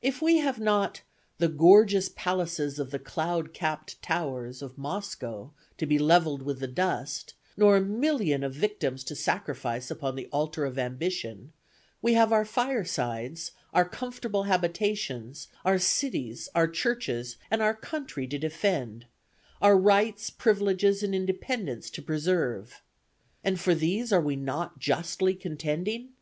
"If we have not 'the gorgeous palaces of the cloud capp'd towers' of Moscow to be levelled with the dust, nor a million of victims to sacrifice upon the altar of ambition, we have our firesides, our comfortable habitations, our cities, our churches and our country to defend, our rights, privileges and independence to preserve. And for these are we not justly contending?